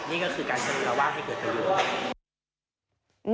นี่ก็คือการใช้เวลาว่างให้เกิดประโยชน์